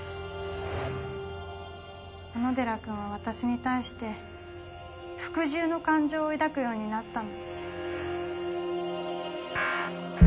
小野寺君は私に対して「服従」の感情を抱くようになったの。